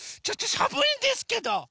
ちょっとさむいんですけど！